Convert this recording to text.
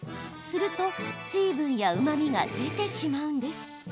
すると、水分やうまみが出てしまうんです。